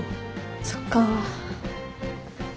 そっか。